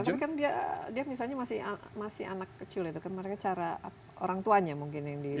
tapi kan dia misalnya masih anak kecil itu kan mereka cara orang tuanya mungkin yang di